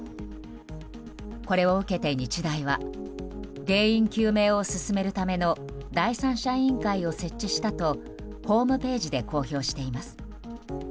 これを受けて、日大は原因究明を進めるための第三者委員会を設置したとホームページで公表しています。